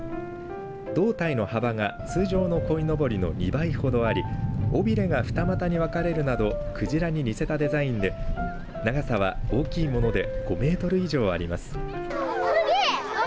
胴体の幅が通常のこいのぼりの２倍ほどあり尾びれが二股に分かれるなど鯨に似せたデザインで長さは大きいもので５メートル以上あります。